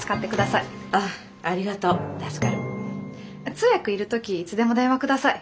通訳要る時いつでも電話ください。